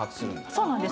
そうなんです。